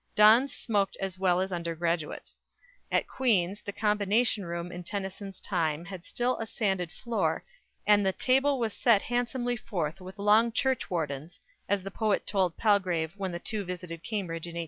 Dons smoked as well as undergraduates. At Queens', the Combination room in Tennyson's time had still a sanded floor, and the "table was set handsomely forth with long 'churchwardens'" as the poet told Palgrave when the two visited Cambridge in 1859.